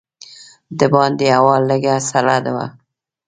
د باندې هوا لږه سړه وه.